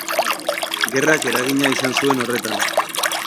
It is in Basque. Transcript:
Gerrak eragina izan zuen horretan.